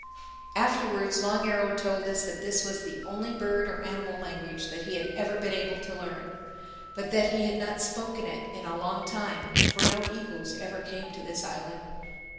Afterwards Long Arrow told us that this was the only bird or animal language that he had ever been able to learn. But that he had not spoken it in a long time, for no eagles ever came to this island.